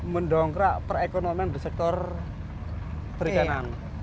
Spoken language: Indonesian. mendongkrak perekonomian di sektor perikanan